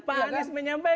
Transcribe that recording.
pak anies menyampaikan